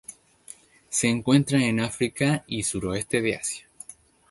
Se encuentra en África y suroeste de Asia.